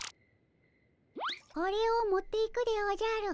これを持っていくでおじゃる。